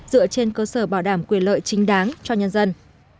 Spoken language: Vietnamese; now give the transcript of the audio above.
dựa trên cơ sở bảo đảm quyền lợi chính đáng cho nhân dân